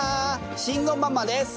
慎吾ママです！